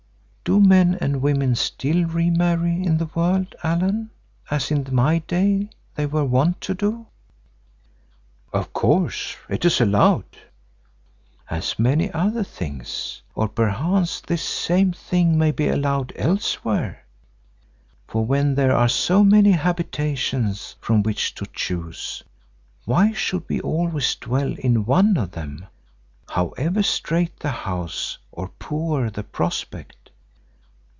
Do men and women still re marry in the world, Allan, as in my day they were wont to do?" "Of course—it is allowed." "As many other things, or perchance this same thing, may be allowed elsewhere, for when there are so many habitations from which to choose, why should we always dwell in one of them, however strait the house or poor the prospect?"